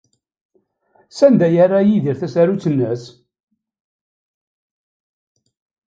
Sanda ay yerra Yidir tasarut-nnes?